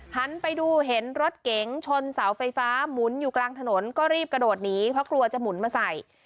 หันไปดูเห็นรถเก๋งชนเสาไฟฟ้าหมุนอยู่กลางถนนก็รีบกระโดดหนีเพราะกลัวจะหมุนมาใส่